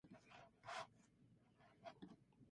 を―あ